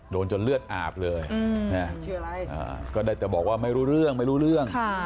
โดนจนเลือดอาบเลยได้จะบอกว่าไม่รู้เรื่อง